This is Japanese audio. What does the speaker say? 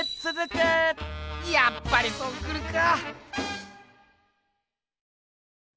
やっぱりそうくるか。